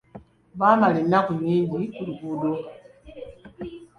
Baamala ennaku nnyingi ku luguudo.